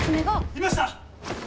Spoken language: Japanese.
いました！